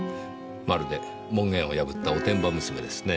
まるで門限を破ったおてんば娘ですねぇ。